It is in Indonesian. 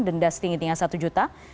denda setinggi tingginya satu juta